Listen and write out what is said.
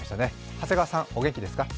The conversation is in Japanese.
長谷川さん、お元気ですか？